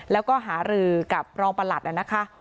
แล้วก็หารือกับรองประหลัดนะคะ